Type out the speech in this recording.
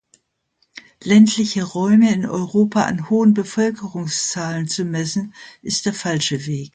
Ländliche Räume in Europa an hohen Bevölkerungszahlen zu messen, ist der falsche Weg.